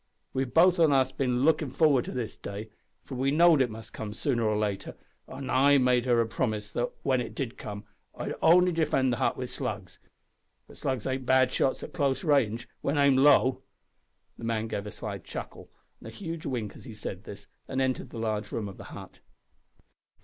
We've both on us bin lookin' forward to this day, for we knowed it must come sooner or later, an' I made her a promise that, when it did come, I'd only defend the hut wi' slugs. But slugs ain't bad shots at a close range, when aimed low." The man gave a sly chuckle and a huge wink as he said this, and entered the large room of the hut.